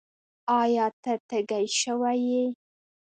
ایا؛ ته تږی شوی یې؟